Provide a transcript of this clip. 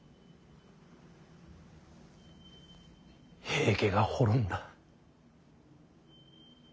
平家が滅んだ。